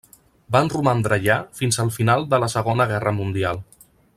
Van romandre allà fins al final de la Segona Guerra Mundial.